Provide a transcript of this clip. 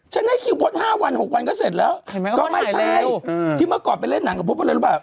ให้คิวพด๕วัน๖วันก็เสร็จแล้วก็ไม่ใช่ที่เมื่อก่อนไปเล่นหนังกับพบอะไรรู้ป่ะ